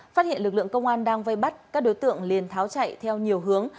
phát hiện lực lượng công an đang vây bắt các đối tượng liền tháo chạy theo nhiều hướng